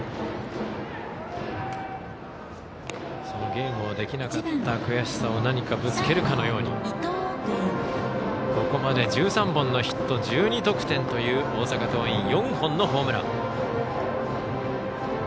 そのゲームができなかった悔しさを何か、ぶつけるかのようにここまで１３本のヒット１２得点という大阪桐蔭、４本のホームラン。